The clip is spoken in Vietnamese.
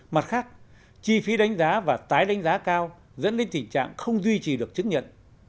mặt khác chi phí đánh giá và tái đánh giá cao dẫn đến tình trạng không duy trì được chứng nhận